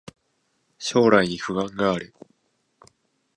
将来に不安がある